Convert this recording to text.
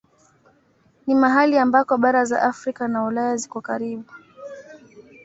Ni mahali ambako bara za Afrika na Ulaya ziko karibu.